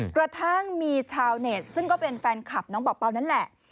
กระทั่งมีชาวเน็ตซึ่งก็เป็นแฟนคลับน้องเป่านั่นแหละ